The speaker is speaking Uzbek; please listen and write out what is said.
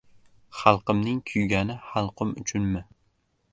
Xalqimning kuygani halqum uchunmi